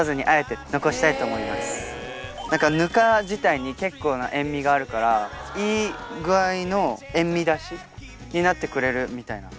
ぬか自体に結構な塩味があるからいい具合の塩味出しになってくれるみたいな。